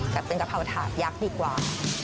แต่เป็นกะเพราถาดยักษ์ดีกว่า